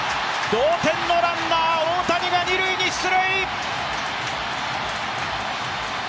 同点のランナー、大谷が二塁に出塁。